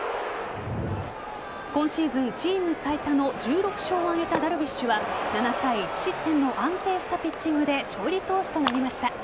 今シーズンチーム最多の１６勝を挙げたダルビッシュは７回１失点の安定したピッチングで勝利投手となりました。